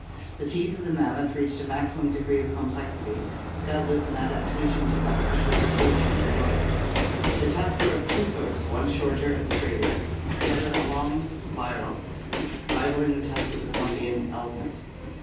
The teeth of the mammoth reached a maximum degree of complexity, doubt less an adaptation to the harsh vegetation of the north. Their tusks were of two sorts, one shorter and straighter, the other a long spiral rivalling the tusks of the Columbian elephant.